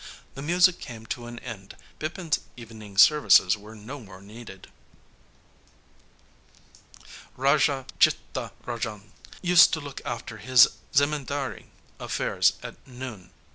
The music came to an end. Bipin's evening services were no more needed. Raja Chittaranjan used to look after his zemindari affairs at noon.